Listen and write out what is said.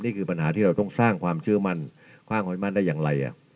นี่คือปัญหาที่เราต้องสร้างความเชื่อมั่นสร้างความให้มั่นได้อย่างไร